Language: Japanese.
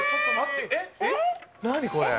何これ。